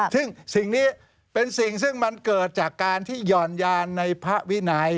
ซึ่งสิ่งนี้เป็นสิ่งซึ่งมันเกิดจากการที่หย่อนยานในพระวินัย